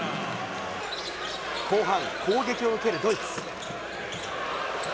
後半、攻撃を受けるドイツ。